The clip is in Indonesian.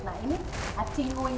nah ini acinguing